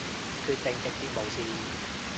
決定直接無視